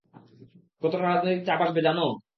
কতটা রাজনৈতিক চাপ আসবে জানো?